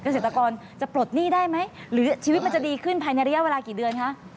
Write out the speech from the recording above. เกษตรกรจะปลดหนี้ได้ไหมหรือชีวิตมันจะดีขึ้นภายในระยะเวลากี่เดือนคะ